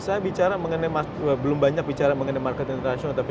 saya bicara mengenai belum banyak bicara mengenai market internasional